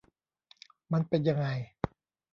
มันเป็นยังไง